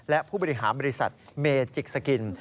และผู้บริหารบริษัทเมจิกสกิน